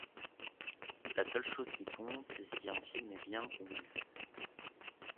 La seule chose qui compte, c'est si un film est bien ou mal fait.